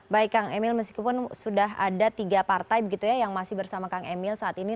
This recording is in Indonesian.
baik kang emil meskipun sudah ada tiga partai begitu ya yang masih bersama kang emil saat ini